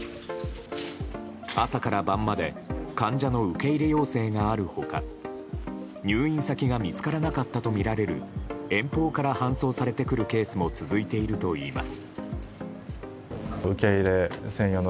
朝から晩まで患者の受け入れ要請がある他入院先が見つからなかったとみられる遠方から搬送されてくるケースも続いているといいます。